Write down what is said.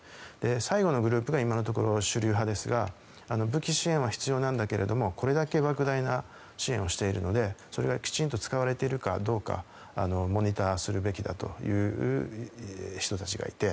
最後のグループが今のところ主流派ですが武器支援は必要なんだけどこれだけ莫大な支援をしているからそれがきちんと使われているかどうかモニターするべきだという人たちがいて。